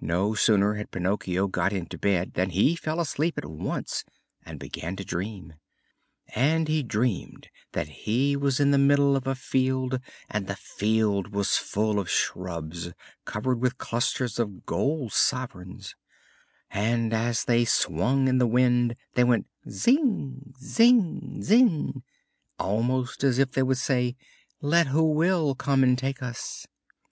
No sooner had Pinocchio got into bed than he fell asleep at once and began to dream. And he dreamed that he was in the middle of a field, and the field was full of shrubs covered with clusters of gold sovereigns, and as they swung in the wind they went zin, zin, zin, almost as if they would say: "Let who will, come and take us."